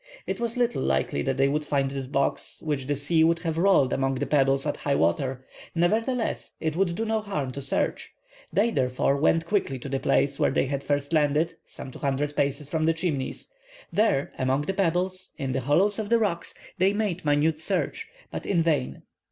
It was little likely that they would find this box, which the sea would have rolled among the pebbles at high water; nevertheless, it would do no harm to search. They, therefore, went quickly to the place where they had first landed, some 200 paces from the Chimneys. There, among the pebbles, in the hollows of the rocks, they made minute search, but in vain.